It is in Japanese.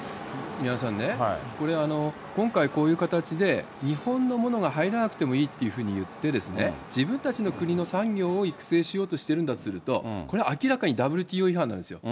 宮根さんね、これ、今回、こういう形で、日本のものが入らなくてもいいっていうふうに言って、自分たちの国の産業を育成しようとしているんだとすると、これは明らかにＷＴＯ違反なんですよ。